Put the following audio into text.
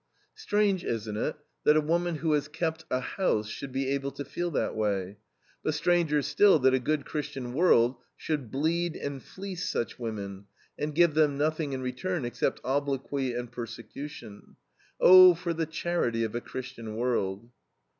Strange, isn't it, that a woman who has a kept a "house" should be able to feel that way? But stranger still that a good Christian world should bleed and fleece such women, and give them nothing in return except obloquy and persecution. Oh, for the charity of a Christian world!